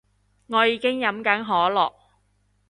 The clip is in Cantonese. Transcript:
我已經飲緊可樂